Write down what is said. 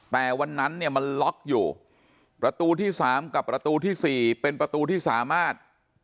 แต่วันนั้นเนี่ยมันล็อกอยู่ประตูที่สามกับประตูที่สี่เป็นประตูที่สามารถ